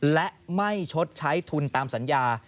และไม่ชดใช้ทุนตามสัญญา